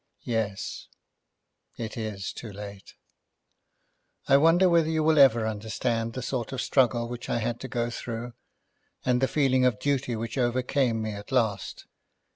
"Yes, it is too late. I wonder whether you will ever understand the sort of struggle which I had to go through, and the feeling of duty which overcame me at last.